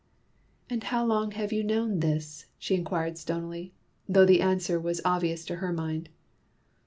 "And how long have you known this?" she inquired stonily, though the answer was obvious to her mind.